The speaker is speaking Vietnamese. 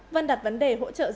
vân đặt vấn đề hỗ trợ giám đốc